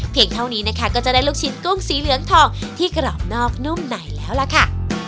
เท่านี้นะคะก็จะได้ลูกชิ้นกุ้งสีเหลืองทองที่กรอบนอกนุ่มไหนแล้วล่ะค่ะ